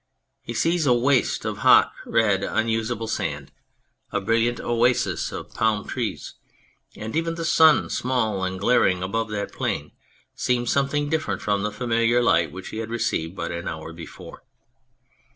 He sees a waste of hot, red, unusable sand, a brilliant oasis of palm trees, and even the sun, small and glaring above that plain, seems something different from the familiar light which he had received but an hour before.